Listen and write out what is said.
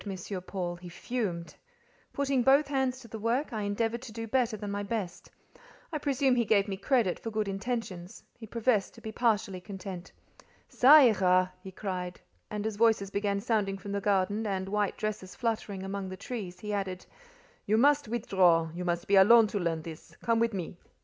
Paul; he fumed. Putting both hands to the work, I endeavoured to do better than my best; I presume he gave me credit for good intentions; he professed to be partially content. "Ca ira!" he cried; and as voices began sounding from the garden, and white dresses fluttering among the trees, he added: "You must withdraw: you must be alone to learn this. Come with me."